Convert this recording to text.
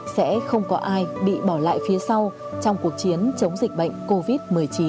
sẽ không có ai bị bỏ lại phía sau trong cuộc chiến chống dịch bệnh covid một mươi chín